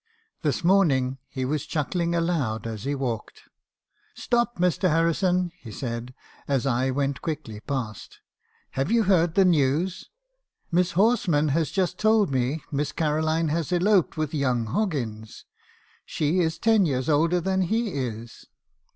This morning he was chuckling aloud as he walked. '"Stop, Mr. Harrison!' he said, as I went quickly past. 'Have you heard the news? Miss Horsman has just told me Miss Caroline has eloped with young Hoggins! She is ten years older than he is